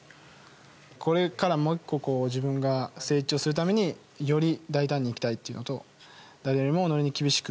これからもう１個自分が成長するためにより大胆にいきたいというのと誰よりも己に厳しく。